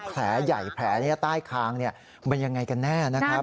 แผลใหญ่แผลใต้คางมันยังไงกันแน่นะครับ